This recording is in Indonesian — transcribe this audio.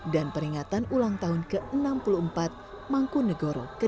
dan peringatan ulang tahun ke enam puluh empat mangku negoro ke delapan